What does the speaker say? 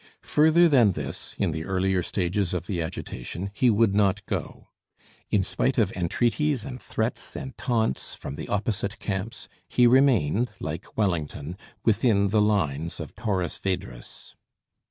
Further than this, in the earlier stages of the agitation, he would not go. In spite of entreaties and threats and taunts from the opposite camps, he remained, like Wellington, 'within the lines of Torres Vedras.'